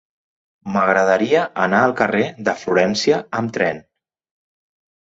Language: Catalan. M'agradaria anar al carrer de Florència amb tren.